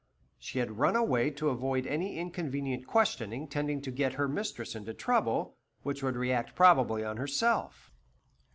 She had run away to avoid any inconvenient questioning tending to get her mistress into trouble, which would react probably on herself.